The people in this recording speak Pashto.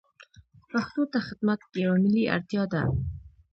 پښتو ته خدمت یوه ملي اړتیا ده.